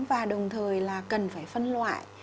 và đồng thời là cần phải phân loại